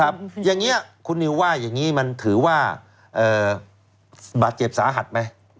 อย่างนี้คุณนิวว่าอย่างนี้มันถือว่าบาดเจ็บสาหัสไหม